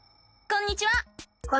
こんにちは。